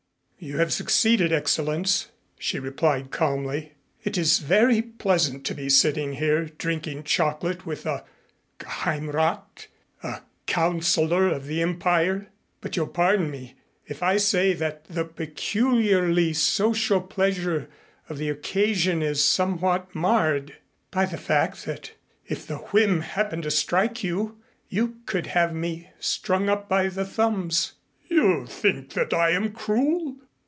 "You have succeeded, Excellenz," she replied calmly. "It is very pleasant to be sitting here drinking chocolate with a Geheimrath a councilor of the Empire but you'll pardon me if I say that the peculiarly social pleasure of the occasion is somewhat marred by the fact that if the whim happened to strike you you could have me strung up by the thumbs." "You think that I am cruel?